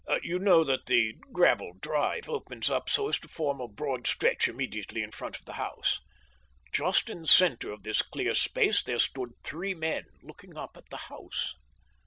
You know that the gravel drive opens up so as to form a broad stretch immediately in front of the house. Just in the centre of this clear space there stood three men looking up at the house.